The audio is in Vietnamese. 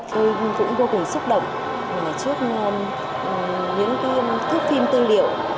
tôi cũng vô cùng xúc động trước những cái thước phim tư liệu